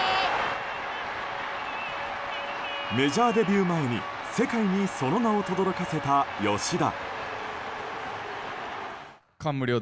メジャーデビュー前に世界にその名をとどろかせた吉田。